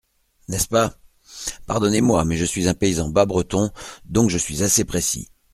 N’est-ce pas ? Pardonnez-moi, mais je suis un paysan bas-breton, donc je suis assez précis.